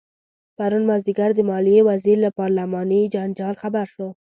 پرون مازدیګر د مالیې وزیر له پارلماني جنجال خبر شو.